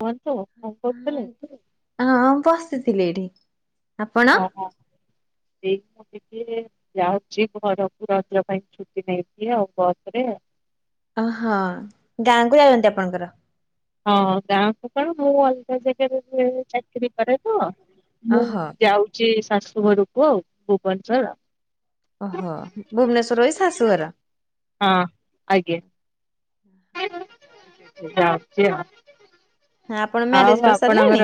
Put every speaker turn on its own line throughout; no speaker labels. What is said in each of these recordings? କୁହନ୍ତୁ କଣ କହୁଥିଲେ
ହଁ ବସ୍ ଥିଲେ ଏଇଠି।
ହ ହୋ ସେ ଯାଉଛି ଘରକୁ ରଜ୍ର ପାଇଁ ଛୁଟି ନେଇକି ଆଉ ବସରେ
ଓହଁ ଗାଁକୁ ଯାଉଛନ୍ତି ଆପଣଙ୍କର
ହଁ ଗାଁକୁ କଣ ମୁଁ ଅଲଗା ଜାଗାରେ ଚାକିରି କରେ ତ ମୁଁ
ଓହୋ
ଯାଉଛି। ଶାଶୁଘରକୁ ଆଉ ଭୁବନେଶ୍ୱର ଆଉ।
ଓହୋ ଭୁବନେଶ୍ବର ଇ ଶାଶୁଘର।
ହଁ ଆଜ୍ଞା
[inaudible]
[inaudible] ଯାଉଛି ଆଉ ।
ଆପଣ ମ୍ୟାରେଜ କରିସାରିଲେଣି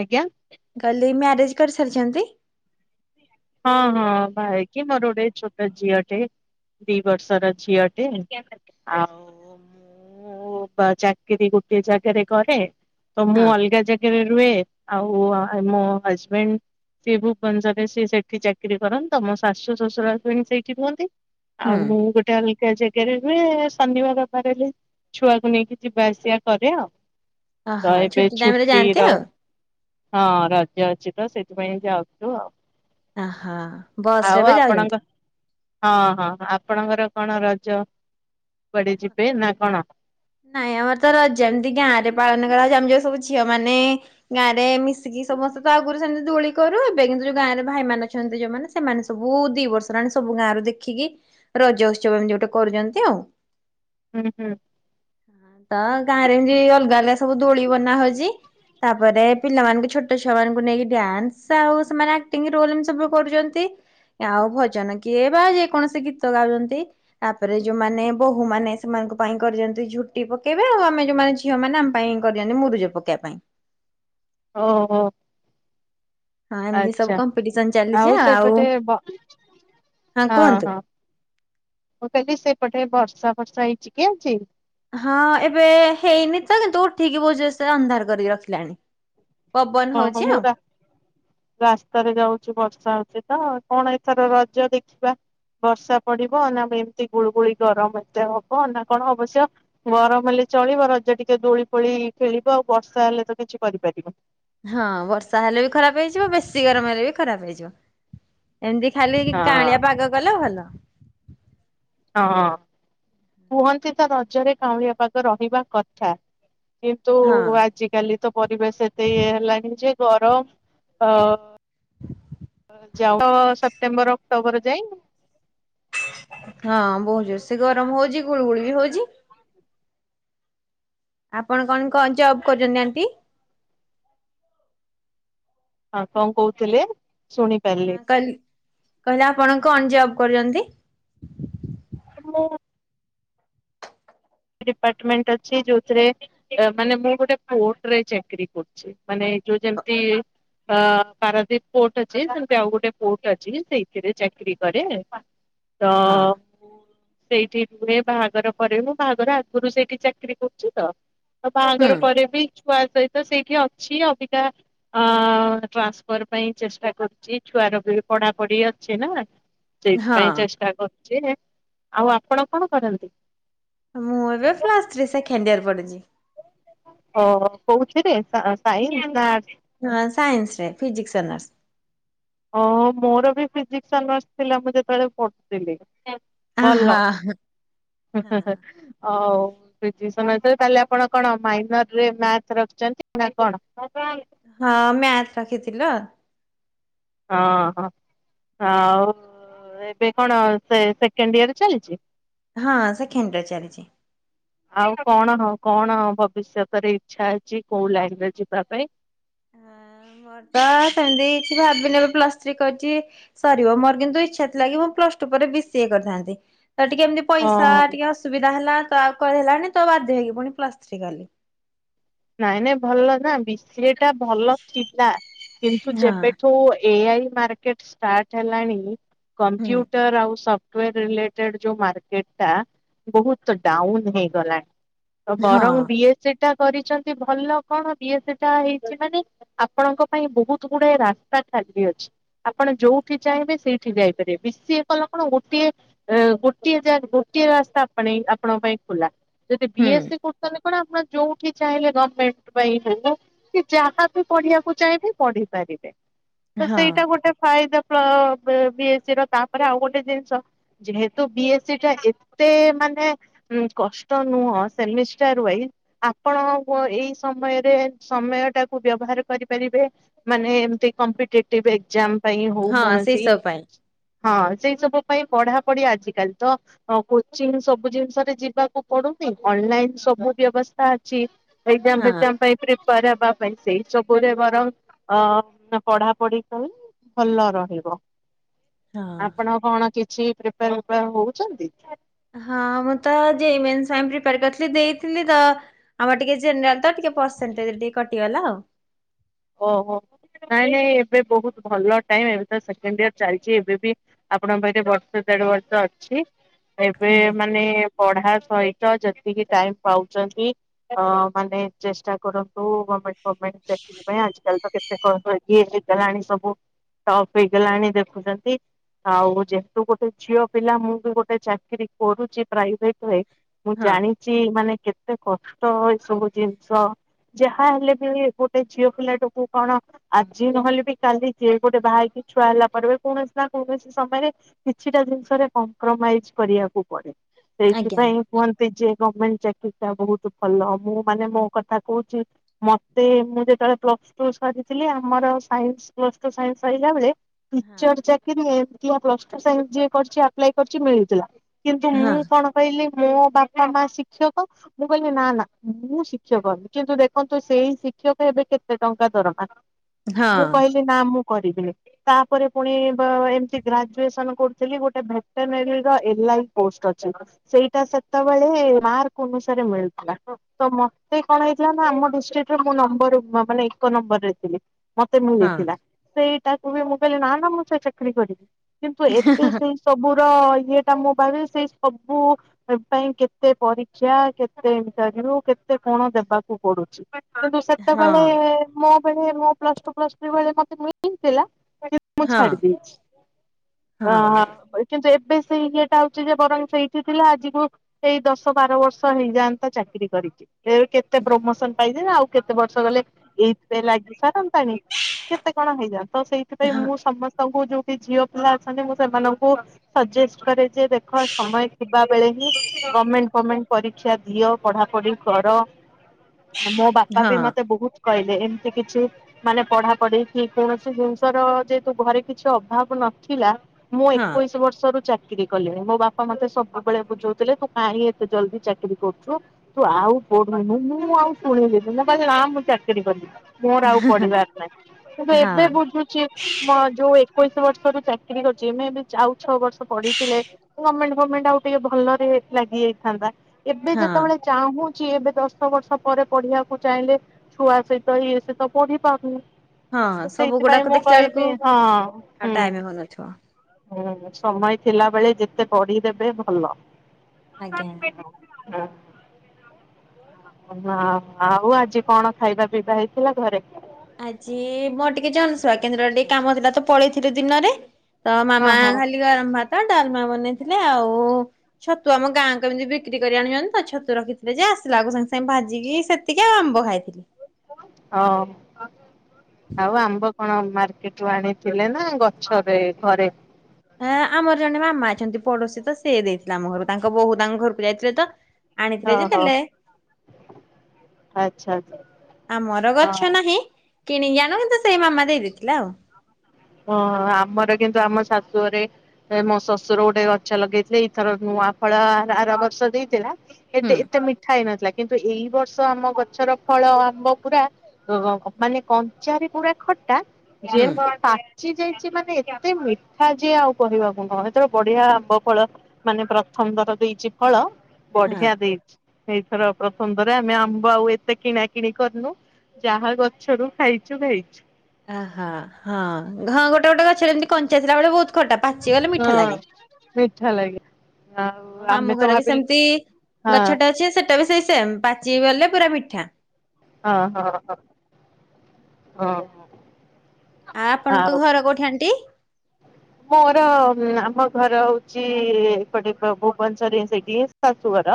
ଆଜ୍ଞା
କିହଲି ମ୳୲ କରି ସାରଛନ୍ତି।
ହଁ ହଁ ବାହାହେଇକି ମୋର ଗୋଟେ ଛୋଟ ଝିଅଟେ ଦି ବର୍ଷର ଝିଅଟେ [inaudible] ଆଉ ମୁଁ ବା ଚାକିରୀ ଗୋଟେ ଜାଗାରେ କରେ। ତ ମୁଁ
ହଁ
ଅଲଗା ଜାଗାରେ ଆଉ ମୋ ହଜବେଣ୍ଡ ସିଏ ଭୁବନେଶ୍ବରରେ ସିଏ ସେଠି ସେଠି ଚାକିରି କରନ୍ତି ତ ମୋ ଶାଶୁ ଶ୍ୱଶୁରା ଆସି ସେଇଠି ରୁହନ୍ତି। ଆଉ
ହୁଁ।
ମୁଁ ଗୋଟେ ଅଲ ଜାଗାରେ ହୁଏ ଶନିବାର ରବିବାର ହେଲେ ଛୁଆକୁ ନେଇକି ଯିବା ଆସିବା କରେ ଆଉ। ତ
ଓହୋ
ଏବେ
ଟାଇମ ରେ
ଛୁଟି
ଯାଆନ୍ତି
ର
ଆଉ
ହଁ ରାଜ ଅଛି। ତ ସେଥିପାଇଁ ଯାଉଛୁ ଆଉ।
ଓହୋ ବସ ରେ
ଆଉ
ଏବେ ଯାଉଛନ୍ତି।
ଆପଣଙ୍କ ହଁ ହଁ ଆପଣଙ୍କର କଣ ରଜ କୁଆଡେ ଯିବେ ନା କଣ?
[inaudible] ନାଇଁ ଆମର ତ ରଜା ଏମିତି ଗାଁ ରେ ପାଳନ କରାଯାଉଛି। ଆମ ଯଉ ସବୁ ଝିଅ ମାନେ ଗାଁ ରେ ମିଶିକି ସମସ୍ତେ ତ ଆଗରୁ ସେମିତି ଦୋଳି କରୁ ଏବେ କିନ୍ତୁ ଯୋଉ ଗାଁରେ ଭାଇ ମ ଅଛନ୍ତି ଯୋଉମାନେ ସେମାନେ ସବୁ ଦି ବର୍ଷ ହେଲାଣି। ସବୁ ଗାଁ ରରୁ ଦେଖିକି ରଜ ଉତ୍ସବ ଏମିତି ଗୋଟେ କରୁଛନ୍ତି ଆଉ।
ହୁଁ ହୁଁ
[inaudible] ତ ଗାଁ ରେ ଏମତି ଅଲଗା ଅଲଗା ସବୁ ଦୋଳି ବନା ହଉଛି। ତାପରେ ପିଲାମାନଙ୍କୁ ଛୋଟ ଛୁଆ ମାନଙ୍କୁ ନେଇକି ଡ୍ୟାନ୍ସ ଆଉ ସେମାନେ ଆକ୍ଟିଙ୍ଗ ରୋଲ ଏ ସବୁ କରୁଛନ୍ତି। ଆଉ ଭଜନ କିଏ ବା ଯେକୌଣସି ଗୀତ ଗାଉଛନ୍ତି। ତାପରେ ଯୋଉମାନେ ବୋହୁ ମାନେ ସେମାନଙ୍କ ପାଇଁ କରିଛନ୍ତି। ଝୁଟି ପକେଇବେ ଆଉ ଆମେ ଯୋଉମାନେ ଝିଅ ମାନ ଆମ ପାଇଁ କରିଛନ୍ତି ମୁରୁଜ ପକେଇବା ପାଇଁ।
ଓହୋ
ହଁ ଏମିତି ସବୁ
ଆଛା
କମ୍ପିଟିସନ ଚାଲିଛି
ଆଉ ସେଇପଟେ [inaudible] ହଁ ହଁ [inaudible] ମୁଁ କହିଲି ସେପଟ ଏ ବର୍ଷା ଫର୍ଷା ହେଇଛି କି ଆଜି।
ହଁ ଏବେ ହେଇନି ତ କିନ୍ତୁ ଉଠିକି ବୋହୁ ଜୋରସେ ଅନ୍ଧାର କରିକି ରଖିଲାଣି। ପବନ
ଓ
ହଉଛି
ହୋ ମୁଁ
ଆଉ।
ରାସ୍ତାରେ ଯାଉଛି ବର୍ଷା ହଉଛି। ତ କଣ ଏଥର ରଜ ଦେଖିବା ବର୍ଷା ପଡିବ ନା ଏମତି ଗୁଳୁଗୁଳି ଗରମ ଏତେ ହବ। ନା କଣ ଅବଶ୍ୟ ଗରମ ହେଲେ ଚଳିବ ରଜ ଟିକେ ଦୋଳି ଫୋଳି ଖେଳିବ। ଆଉ ବର୍ଷା ହେଲେ ତ କିଛି କରିପାରିବନି।
ହଁ ବର୍ଷା ହେଲେ ବି ଖରାପ ହେଇଯିବ। ବେଶୀ ଗରମ ହେଲେ ବି ଖରାପ ହେଇଯିବ। ଏମିତି ଖାଲି
ହଁ
କାଁଳିଆ ପାଗ କଲେ ଭଲ।
ହଁ କୁହନ୍ତି ତ ରଜରେ କାଉଁଳିଆ ପାଗ ରହିବା କଥା। କିନ୍ତୁ
ହଁ।
ଆଜିକାଲି ତ ପରିବେଶ ଏତେ ଇଏ ହେଲାଣି ଯେ ଗରମ ଅ ଯାଉ ସେପ୍ଟେମ୍ବର ଅକ୍ଟୋବର ଯାଇନି
ହଁ ବହୁତ ଜୀ ଗରମ ହଉଛି ଗୁଳୁ ଗୁଳି ବି ହଉଛି। ଆପଣ କଣ କ ଜବ କରୁଛନ୍ତି ଆଣ୍ଟି।
ହଁ କଣ କହୁଥିଲେ। ଶୁଣି ପାରିଲି
ହଁ କହିଲି କହିଲେ ଆପଣ କଣ ଯ କରଛନ୍ତି।
[inaudible] ଡିପାର୍ଟମେଣ୍ଟ ଅଛି ଯୋଉଥିରେ ମାନେ ମୁଁ ଗୋଟେ ପୋର୍ଟରେ ଚାକିର କରୁଛି ମାନେ ଯୋଉ ଯେମତି ପାରାଦୀପ ପୋର୍ଟ ଅମ ଆଉ ଗୋଟେର୍ଟ ଅଛି ସେଇଥିରେ ଚାକିର କରେ। ତ
ଅ ହଁ।
ସେଇଠି ରୁହେ ବାହାଘର ପରେ ହ ବାହାଘର ଆଗରୁ ସେଇଠି ଚାକିରରି କରୁଛି ତ ଆଉ
ହୁଁ
ବାହାଘର ପରେ ବି ଛୁଆ ସହିତ ସେଇଠି ଅଛି ଅବିକା ଟ୍ରାନ୍ସଫର ପାଇଁ ଚେଷ୍ଟା କରୁଛି ଛୁଆର ବି ପଢାପଢି ଅଛି ନା। ସେଇ
ହଁ
ପାଇଁ ଚେଷ୍ଟା ଆଉ ଆପଣ କଣ କରନ୍ତି?
ମୁଁ ଏବେ ଫ୍ଲାସି ସେ ଖେଣ୍ଡିଆରେ ପଡୁଛି।
ଓ କହୁଛିରେ ସାଇନ୍ସ ଆ
ହଁ ସାଇନ୍ସରେ ଫିସିଜିିକସ ଆନର୍ସ।
ଓ ମୋର ବି ଫିିଜିକସ ଅନରସ ଥିଲା ମୁଁ ଯେତେବେଳେ ପଢୁଥିଲି। ଭଲ
ହଁ।
ହଉ। ସମୟରେ ତାହଲେ ଆପଣ କଣ ମାଇରରେ ରଖିଛନ୍ତି ନା କଣ? ହଁ
ହଁ ମ୍ୟାଥ ରଖିଥିଲ।
ହଁ ହଁ ଆଉ ଏବେ କଣ ସେ ସେକେଣ୍ଡ ଇୟର ଚାଲିଛି।
ହଁ ସେଖେଣ୍ଡ ୟର ଚାଲିଛି।
ଆଉ କଣ ହ କଣ ହ ଭବିଷ୍ୟତରେ ଇଚ୍ଛା ଅଛି କୋଉ ଲାଇନ ରେ ଯିବା ପାଇଁ?
ହଁ ମୋର ତ ସେମିତି କିଛି ଭାବିନି ପ୍ଲସ ଥ୍ରୀ କରିଛି ସରିବ। ମୋର କିନ୍ତୁ ଇଛା ଥିଲା କି ମୁଁ ପ୍ଲସ ଟୁ ପରେ ବି ସିଏ କରିଥାନ୍ତି। ତ ଟିକେ ଏମତି ପଇସା
ହଁ
ଟିକେ ଅସୁବିଧା ହେଲା ଆଉ କ ହେଲାଣି ତ ବାଧ୍ୟ ହେଇକି ପୁଣି ପ୍ଲସ ଥ୍ରୀ କଲି।
ନାଇଁ ନାଇଁ ଭଲ ନା। ସେଟା ଭଲ ଥିଲା କିନ୍ତୁ
ହଁ
ଯେବେଠୁ ଏଆଇ ମାର୍କେଟ ଷ୍ଟାର୍ଟ ହେଲାଣି
ହୁଁ
କମ୍ପ୍ୟୁଟର ଆଉ ସବ ସଫ୍ଟୱେର ରିଲେଟେଡ୍ ଯୋଉ ମାର୍କେଟ ମଟା ବହୁତ ଡାଉନ ହେଇଗଲା ତ ବରଂ
ହଁ
ବିଏ ସେଟା କରି ଭଲ କଣ ବି ସେଟା ହେଇଛି ମାନେ ଆପଣଙ୍କ ପାଇଁ ବହୁତ ଗୁଡା ରାସ୍ତା ଚାାଲି ଅଛି ଆପଣ ଯୋଉଠି ଚାହିଁବେ ସେଇଠି ଯାଇପାରିବେ ବେଶିଏ କଲ କଣ ଗୋଟିଏ ଗୋଟିଏ ଗୋଟିଏ ରାସ୍ତା ଆପଣଙ୍କ ପାଇଁ ଖୋଲା ଯଦି ବି
ହୁଁ
ଏସ୍ ସି କରୁତେ ପଣ ଆପଣ ଯୋଉଠି ଚାହିଁଲେ ଗମେଣ୍ଟ ପାଇଁ ହଉ କି ଯାହା ବି ପଢିବାକୁ ଚାହିଁବେ ପଢି ପାରିବେ। ତ
ହଁ
ସେଇଟା ଗୋଟେ ଫାଇଦା ବିଏସ୍ ସ ର ତାପରେ ଆଉ ଗୋଟେ ଜିନିଷ ଯେହେତୁ ବିଏସ୍ ସି ଟା ଏତେ ମାନେ କଷ୍ଟ ନୁହଁ ସେମିଷ୍ଟାର ୱାଇଜ ଆପଣ ପ ଏଇ ସମୟରେ ସମୟ ଟାକୁ ବ୍ୟବହାର କରିପାରିବେ ମାନେ ଏମତି କମ୍ପିଟେଟିଭ ଏକ୍ଜାମ ପାଇଁ ହଉ
ହଁ ସେଇ
କୌଣସି
ସବୁ ପାଇଁ।
ହଁ ସେଇ ସବୁ ପାଇଁ ପଢାପଢି ଆଜିିକାଲି ତ କୋଚିଂ ସବୁ ଜିନିଷରେ ଯିବାକୁ ପଡୁନି ଅନଲାଇନ ସବୁ ବ୍ୟବସ୍ଥା ଅଛି। ଏକ୍ଜାମ
ହଁ
ଫକ୍ଜାମ ପାଇଁ ପ ବା ପାଇଁ ସେଇ ସବୁରେ ବରଂ ଅ ପଢାପଢି କଲେ ଭଲ ରହିବ।
ହଁ
ଆପଣ କଣ କି କିଛି ପ୍ରିପାରପାର ହଉଛନ୍ତି?
ହଁ ମୁଁ ତ ଯେମେସାଇମେନ୍ ପିଲାର କରିଥିଲି ଦେଇଥିଲି ତ ଆମର ଟିକ ଜେନେରାଲ ତ ଟିକେ ପର୍ସଡେ ଦେଇ କଟିଗଲା ଆଉ।
ଓହୋ ନାଇଁ ନାଇଁ ଏବେ ବହୁତ ଭଲ ଟାଇମ୍ ଏବେ ତ ସେକେଣ୍ଡ ଇୟର ଚାଲିଛି ଏବେ ବି ଆପଣଙ୍କ ପାଖରେ ବର୍ଷ ଦେଢ ବର୍ଷ ଅଛି। ଏବେ
ହଁ
ମାନେ ପଢା ଶଇତ ଯେତିକି ଟାଇମ୍ ପାଉଛନ୍ତି ମାନେ ଚେଷ୍ଟା କରନ୍ତୁ ଗମେଣ୍ଟେ ଚାକିରି ପାଇଁ ଆଜି କାଲି ତ କେତେ କଣ ଇଏ ହେଇଗଲାଣି ସବୁ ଟପ୍ ହେଇଗଲାଣି ଦେଖୁଛନ୍ତି ଆଉ ଯେହେତୁ ଗୋଟେ ଝିଅ ପିଲା ମୁଁ ବି ଗୋଟେ ଚାକିରୀ କରୁଛି ପ୍ରାଇଭେଟ ରେ ମୁଁ
ହଁ
ଜାଣିଛି ମାନେ କେତେ କଷ୍ଟ ଏ ସବୁ ଜିନିଷ ଯାହା ହେଲେ ବି ଝିଅ ପିଲାଟକୁ କଣ ଆଜି ନହେଲେ ବି କାଲି ଯିଏ ଗୋଟେ ବାହା ହେକି ଛୁଆ ହେଲା ପରେ କୌଣସି ନା କୌଣସି ସମୟରେ କିଛିଟା ଜିନିଷରେ କମ୍ପ୍ରମାଇଜ କରିବାକୁ ପଡ଼େ।
ଆଜ୍ଞା।
ସେଇଥିପାଇଁ କୁହନ୍ତି ଯେ ଗମେଣ୍ଟ ଚାକିରରି ଟା ବହୁତ ଭଲ ମୁଁ ମାନେ ମୋ କଥା କହୁଛି ମତେ ମୁଁ ଯେତେବେଳେ ପ୍ଲସ ଟୁ ସରିଥିଲି ଆମର ସାଇନ୍ସ ପ୍ଲସ ଟୁ ସାଇନ୍ସ ସରିଲା ବେଳେ
ହଁ
ଟିଚର୍ ଚାକିରି ଏମିତିଆ ପ୍ରଶ୍ନ ସେ ସାଙ୍ଗେ ଯିଏ କରଛି ଆପ୍ଲାଏ କରିଛି ମିଳିଥିଲା। କିନ୍ତୁ
ହଁ
ମୁଁ କଣ କହିଲି ମୋ ବାପା ମା ଶିକ୍ଷକ ମୁଁ କହିଲି ନା ନା ମୁଁ ଶିକ୍ଷକି ହେମି କିନ୍ତୁ ଦେଖନ୍ତୁ ସେଇ ଶିକ୍ଷକ ଏବେ କେତେ ଟଙ୍କା ଦରମା। ମୁଁ
ହଁ
କହିଲି ନା ମୁଁ କରିଥିଲେ ତାପରେ ପୁଣି ଏମିତି ଗ୍ରାଜୁଏସନ୍ କରୁଥିଲି ଗୋଟେ ଭେକ୍ଟେନେରିର ଏଲାଇ ପୋଷ୍ଟ ଅଛି ସେଇଟାତେବେଳେ ମାର୍କ ଅନୁସାରେ ମିଳଥିଲା ତ ମତେ କଣ ହେଇଥିଲା ଆମ ଡିିଷ୍ଟିଟିରେ ମୋ ନମ୍ବ ମାନେ ଏକ ନମ୍ବର ରେ ଥିଲି ମତେ ମୁ ନେଇଥିଲା ସେଇ ତାକୁ ମୁଁ କଇଲି ନାନା ମୁ ସେ ଚାକିରି କରିବି କିନ୍ତୁ ଏବେ
ହଁ
ସେଇ ସବୁର ଇଏଟା ମୁଁ ଭାବ ସେଇ ସବୁ ପାଇଁ କେତେ ପରୀକ୍ଷା କେତେ ଇଣ୍ଟରଭି୍ୟୁ କେତେ କଣ ଦେବାକୁ ପଡୁଛି କିନ୍ତୁ ସେ ସେତେବେଳେ
ହଁ
ମୋ ସେତେବେଳେ ମ ପ୍ଲସ୍ ଟୁ ପ୍ଲସ୍ ଥ୍ରି ବେଳେ ମତେ ମିଳିଥିଲା। ମୁଁ
ହଁ
ଛାଡି ଦେଇଚି
ହଁ
ଅ କିନ୍ତୁ ଏ ଏବେ ସେଇ ଇଏଟା ଆଉଚିଯେ ବରଂ ସେଇଠି ଥିଲା ଆଜିକୁ ଏଇ ଦଶ ବାର ବର୍ଷ ହେଇଯାଆନ୍ତା ଚାକିରି କରିଚି। ଏ କେତେ ପ୍ରମୋସନ ପାଇ ଏରା ଆଉ କେ କେତେ ବର୍ଷ ଗଲେ ଏଇଥିରେ ଲାଗିସାର କେତେ କଣ ହେଇଯାଏ ସେଇଥିପାଇଁ
ହଁ
ମୁଁ ସମସ୍ତଙ୍କୁ ଯୋଉ ଝିଅ ପିଲା ଅଛନ୍ତି ମୁଁ ସେମାନଙ୍କୁ ସଜେଷ୍ଟ କରେ ଯେ ଦେଖ ସମୟ ଥିବା ବେଳେ ହିଁ ଗମେଣ୍ଟ ଫମେଣ୍ଟ ପରୀକ୍ଷା ଦିଅ ପଢାପଢି କର। ମୋ ବା ପା ବି
ହଁ
ମତେ ବୋ କହିଲେ ଏମିତି କିଛି ମାନେ ପଢାପଢି କି କୌଣସି ଜିନିଷ ର ଯେହତୁ ଘରେ କିଛି ଅଭାବ ନଥିଲା ମୁଁ
ହଁ
ଏକୋଇଶି ବର୍ଷରୁ ଚା ଚାକିରି କଲେଣି ମୋ ବାପା ମତେ ସବୁବେଳେ ବୁଝଉଥିଲେ ତୁ କାହିଁ ଏତେ ଜଲ୍ଦି ଚାକିରି କରୁଚୁ ତୁ ଆଉ ପଢୁନୁ ମୁଁ ଆଉ ଶୁଣିଲି ମୁଁ କହିଲି ନାଁ ମୁଁ ଚାକିରି କରିବି। ମୋର ଆଉ ପଢିବାର ନାହିଁ କିନ୍ତୁ
ହଁ
ଏବେ ବୁଝୁଚି ମ ଯୋଉ ଏକୋଇଶ ବର୍ଷରୁ ଚାକିରି କରିୁଚି ମୁ ଏବେ ଆଉ ଛଅ ବର୍ଷ ପଢିଥିଲେ ଗମେଣ୍ଟ ଫମେଣ୍ଟ ଆଉ ଟିକେ ଭଲରେ ଲାଗିଯାଇଥାନ୍ତା। ଏବେ
ହଁ
ଯେତେବେଳେ ଚାହୁଁ ଏବେ ଦଶ ବର୍ଷ ପରେ ପଢିବାକୁ ଚାହିଁଲେ ଛୁଆ ସହିତ ଇଏ ସହିତ ପଢି ପାରୁନି।
ହଁ ହଁ
ତ
ସବୁ
ସେଇଥିପାଇଁ
ଗୁଡାକ
ମୁଁ
ଦେଖିଲା ବେଳକୁ
କହିବି ହଁ
ଆଉ
ହୁଁ।
ଟାଇମ୍ ହୋଉନଥିବ।
ହୁଁ ସମୟ ଥିଲା ବେଳେ ଯେତେ ପଧିଦେବେ ଭଲ।
ଆଜ୍ଞା।
[unintelligible] ହଁ ହଁ। ଆଉ ଆଜି କଣ ଖାଇବା ପିଇବା ହେଇଥିଲା ଘରେ?
ଆଜି ମୋର ଟିକେ ଜନସେବା କେନ୍ଦ୍ର ଟିକେ କାମ ଥିଲାତ ପଳେଇଥିଲ ଦିନରେ ତ
ହଁ
ମାାମ
ହଁ
ଖାଲି ଗରମ ଭା ତ ଡାଲମା ବନେଇଥିଲେ ଆଉ ଛତୁ ଆମ ଗାଁକୁ ଏମିତି ବିକ୍ରି କରି ଆଣି ଆଣୁଚ ତ ଛତୁ ରଖିଥିଲେ ଯେ ଆସିଲା ବେଳକୁ ସାଙ୍ଗେ ସାଙ୍ଗେ ଭାଜିକି ସେତିକି ଆଉ ଆମ୍ବ ଖାଇଥିଲି।
ହଁ। ଆଉ ଆମ୍ୱ କଣ ମାର୍କେଟୁ ଆଣିଥିଲେ ନା ଗଛରେ ଘରେ?
ହଁ ଆମର ଜଣେ ମାମା ଅଛନ୍ତି ପଡୋଶୀ ତ ସେ ଦେଇଥିଲେ ଆମ ଘର ତାଙ୍କ ବୋହୁ ତାଙ୍କ ଘରକୁ ଯାଇଥିଲେ ତ ଆଣିଥିଲେ ଯେ
ଓହୋ
ଦେଲେ
ଆଚ୍ଛା ଆଚ୍ଛା
ଆମର
ହଁ
ଗଛ ନାହିଁ। କିଣିକି ଆଣୁ କିନ୍ତୁ ସେଇ ମାମା ଦେଇଥିଲେ ଆଉ।
ଓହୋ ଆମର କିନ୍ତୁ ଆମ ଶାଶୁରେ ମୋ ଶ୍ୱଶୁର ଗୋଟେ ଗଛ ଲଗେଇଥିଲେ ଏଇଥର ନୂଆ ଫଳ ଆର ବର୍ଷ ଦେଇଥିଲା। ଏତେ
ହୁଁ
ଏତେ ମିଠା ହେଇନଥିଲା। କିନ୍ତୁ ଏଇ ବର୍ଷ ଆମ ଗଛର ଫଳ ଆମ୍ବ ପୁରା ମାନେ କଞ୍ଚାରେ ପୁରା ଖଟା
ହୁଁ।
ଯେମତି ପା ଚି ଯାଇଛି ମାନେ ଏତେ ମିଠା ଯେ ଏ ଆଉ କହିବାକୁ ନୁହଁ। ଏତେବେ ବଢିଆ ଆମ୍ବ ଫଳ ମାନେ ପ୍ରଥମ ର ଦେଇଛି ଫଳ
ହଁ।
ବଢିଆ ଦେଇଛି ଏଇଥର। ପ୍ରଥମ ଥର ରେ ଆମେ ଆମ୍ବ ଆଉ ଏତେ କିଣା କିିଣି କରିନୁ ଯାହା ଗଛରୁ ଖାଇଛୁ ଖାଇଛୁ।
ଅହୋ ହଁ ଘ ଗୋଟେ ଗୋଟେ ଗଛରେ ଏମିତି କଞ୍ଚାଥିଲା ବେଳେ ବହୁତ ଖଟା। ପାଚି ଗଲେ ମିଠା
ହଁ
ଲାଗେ।
ମିଠା ଲାଗେ ଆଉ
ମୋ
ଆମେ
ମାମୁଁ
ତ
ଘରେ ବି
ଭାବିଲୁ
ସେମିତି
ହଁ
ଗଛଟା ଅଛି ସେଟା ବି ସେ ସେ ପାଚି ଗଲେ ପୁରା ମିଠା
ହଁ ହଁ ହ ହ ହ।
ଆ ଆପଣଙ୍କ ଘର କୋଉଠି ଆଂଟି?
ମୋର ଆମ ଘର ହଉଛି ଏପଟେ ଭୁବନେଶ୍ୱର ହିଁ ସେଠି ଶାଶୁଘର।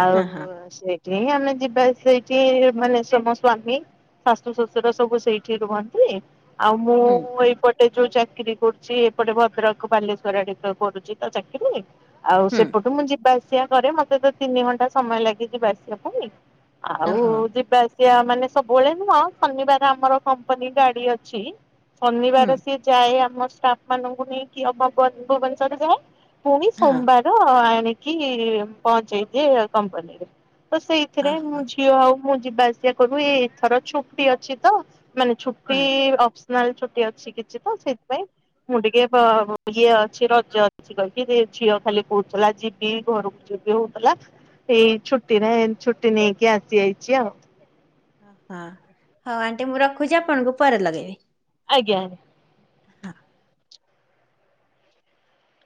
ଆଉ
ହଁ ହଁ
ସେ ଆମେ ଯିବା ସେଇଠି ମାନେ ମ ସ୍ଵାମୀ ଶାଶୁ ଶ୍ୱଶୁର ସବୁ ସେଇଠି ରୁହନ୍ତି। ଆଉ ମୁଁ
ହୁଁ
ଏଇପଟ ସେ ଯୋଉ ଚାକିରୀ କରୁ ସିଏ ଏପଟେ ଭଦ୍ରକ ବାଲେଶ୍ଵର ଆଡିକି କରୁଛି ତ ଚାକିରି? ଆଉ
ହୁଁ
ସେପଟୁ ମୁଁ ଯିବା ସେୟା କରେ ମତେ ତ ତିନି ଘଣ୍ଟା ସମୟ ଲାଗେ ଯିବା ଆସିବାକୁ ହି। ଆଉ
ଓହୋ
ଯିବା ସେଆ ମାନେ ସବୁବେଳେ ନୁହଁ ଶନିବାର ଆମର କମ୍ପାନୀ ଗାଡି ଅଛି।
ହୁଁ
ଶନିବାର ସିଏ ଯାଏ ଆମର ତାପ ମାନଙ୍କୁ ନେଇକି ଆଉ ଭବନ ଭୁବନେଶ୍ଵରରେ ଯାଏ। ପୁଣି
ହଁ
ସୋମବାର ଆ ନେଇକି ପହଞ୍ଚେଇଦିଏ କମ୍ପାନୀରେ। ତ ସେଇଥିରେ
ହଁ
ମୁଁ ଝିଅ ଆଉ ମୁଁ ଯିବା ଆସିବା କରିବୁ ଏଇଥର ଛୁଟି ଅଛି ତ ମାନେ
ହଁ।
ଛୁଟି ଅ ନହେଲେ ଛୁଟି ଅଛି କିଛି ତ ସେଇଥିପାଇଁ ମୁଁ ଟିକେ ପ ଇଏ ଅଛି ରଜ ଅଛି କହିକି ଝିଅ ଖାଲି କହୁଥିଲା ଯିବି ଘରକୁ ଯିବି ହଉଥିଲା ଏଇ ଛୁଟିରେ ଛୁଟି ନେଇକି ଆସି ଯାଇଛି ଆଉ।
ଓହୋ ହଉ ଆଣ୍ଟି ମୁଁ ରଖୁଛି ଆପଣଙ୍କୁ ପରେ ଲଗେଇବି।
ଆଜ୍ଞା।
ହଁ